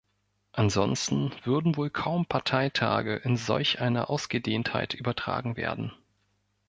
Ansonsten würden wohl kaum Parteitage in solch einer Ausgedehntheit übertragen werden.